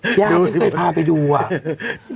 พี่ยากจะเคยพาไปดูไหม